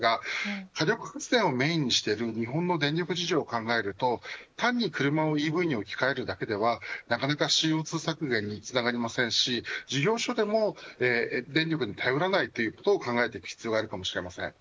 火力発電をメーンにしている日本の電力事情を考えると単に車をＥＶに置き換えるだけではなかなかＣＯ２削減につながりませんし事業所でも電力に頼らないということを考える必要があります。